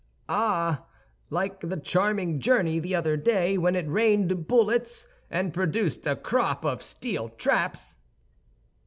"Ah, like the charming journey the other day, when it rained bullets and produced a crop of steel traps!"